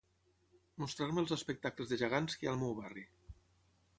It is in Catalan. Mostrar-me els espectacles de gegants que hi ha al meu barri.